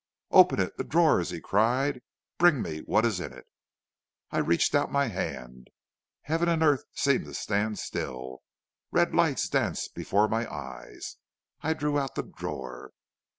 "'Open it the drawer,' he cried. 'Bring me what is in it.' "I reached out my hand; heaven and earth seemed to stand still; red lights danced before my eyes; I drew out the drawer.